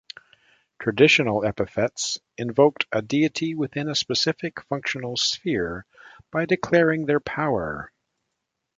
Traditional epithets invoked a deity within a specific functional sphere by declaring their power.